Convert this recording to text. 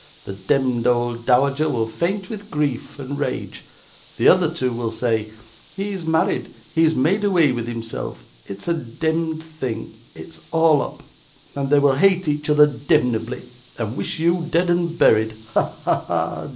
The demd old dowager will faint with grief and rage; the other two will say "He is married, he has made away with himself, it is a demd thing, it is all up!" They will hate each other demnebly, and wish you dead and buried. Ha! ha!